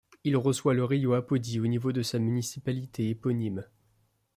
Il reçoit le rio Apodi au niveau de sa municipalité éponyme.